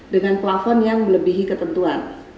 dengan plafon yang melebihi ketentuan